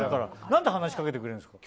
何て話しかけてくれるんですか？